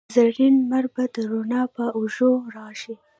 زرین لمر به د روڼا په اوږو راشي